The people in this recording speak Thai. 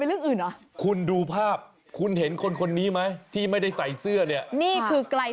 ออกไปแล้ว